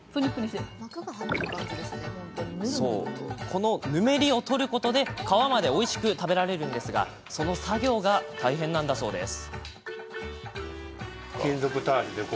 このぬめりを取ることで皮までおいしく食べられるんですがその作業が大変なんだそうです。